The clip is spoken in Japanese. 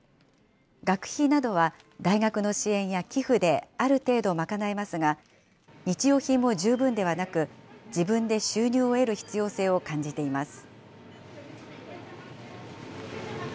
学費などは大学の支援や寄付で、ある程度、賄えますが、日用品も十分でなく、自分で収入を得る必要性を感じています。